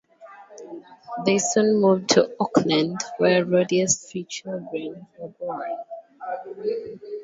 They soon moved to Oakland, where Rodia's three children were born.